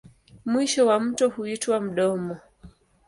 Mwisho wa mto huitwa mdomo.